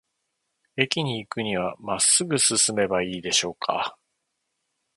駅に行くには、まっすぐ進めばいいでしょうか。